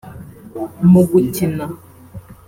Mu gukina